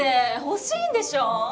欲しいんでしょ？